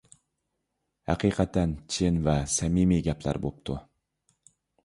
ھەقىقەتەن چىن ۋە سەمىمىي گەپلەر بوپتۇ.